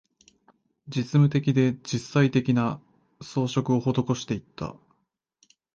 実務的で、実際的な、装飾を施していった